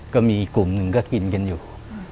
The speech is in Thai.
ก็มีกลุ่มหนึ่งก็กินกันอยู่